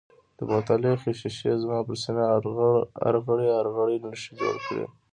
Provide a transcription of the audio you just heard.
د بوتل یخې شیشې زما پر سینه ارغړۍ ارغړۍ نښې جوړې کړې.